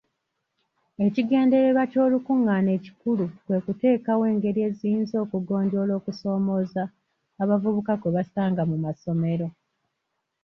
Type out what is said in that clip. Ekigendererwa ky'olukungaana ekikulu kwe kuteekawo engeri eziyinza okugonjoola okusoomooza abavubuka kwe basanga mu masomero.